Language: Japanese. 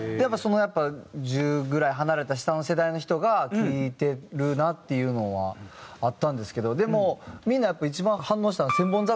やっぱ１０ぐらい離れた下の世代の人が聴いてるなっていうのはあったんですけどでもみんなやっぱり一番反応したの『千本桜』。